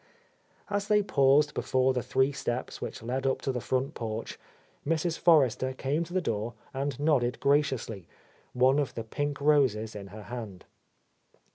As they paused before the three steps which led up to the front porch, Mrs. Forrester came to the door and nodded graciously, one of the pink roses in her hand.